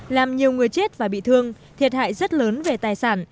làm nhiều người chết và bị thương thiệt hại rất lớn về tài sản